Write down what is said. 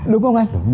đúng không anh